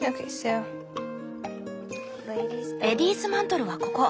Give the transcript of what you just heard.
レディースマントルはここ。